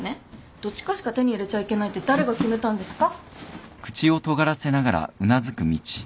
どっちかしか手に入れちゃいけないって誰が決めたんですか？